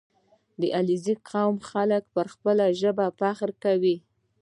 • د علیزي قوم خلک پر خپله ژبه فخر کوي.